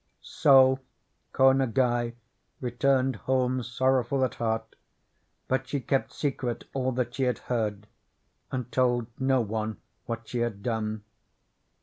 So Ko Ngai returned home sorrowful at heart, but she kept secret all that she had heard, and told no one what she had done.